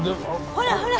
ほらほら！